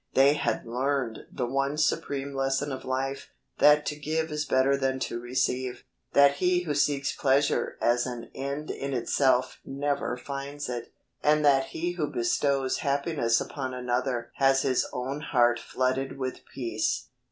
They had learned the one supreme lesson of life, "that to give is better than to receive," "that he who seeks pleasure as an end in itself never finds it," and that he who bestows happiness upon another has his own heart flooded with peace.